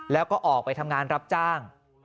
แล้วก็ออกไปทำงานรับจ้าง